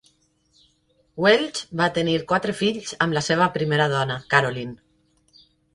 Welch va tenir quatre fills amb la seva primera dona, Carolyn.